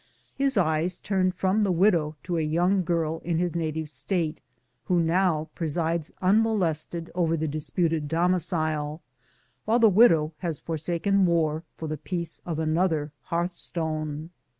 His eyes turned from tlie widow to a young girl in his native State, who now presides unmolested over the disputed domicile, while the widow has forsaken war for the peace of another hearthstone.